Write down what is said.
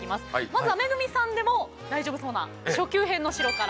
まずは恵さんでも大丈夫そうな初級編の城から。